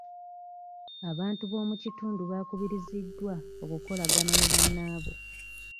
Abantu bo mu kitundu baakubiriziddwa okukolagana ne bannaabwe.